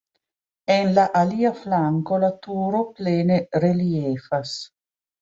En la alia flanko la turo plene reliefas.